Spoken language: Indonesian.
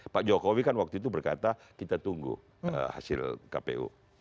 pak jokowi kan waktu itu berkata kita tunggu hasil kpu